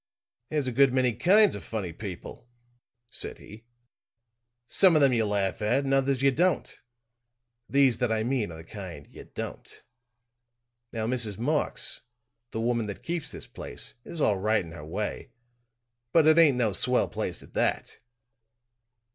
"There's a good many kinds of funny people," said he. "Some of them you laugh at, and others you don't. These that I mean are the kind you don't. Now, Mrs. Marx, the woman that keeps this place, is all right in her way, but it ain't no swell place at that.